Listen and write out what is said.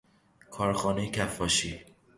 کارخانه کفاشی